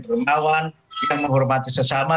bermanfaat yang menghormati sesama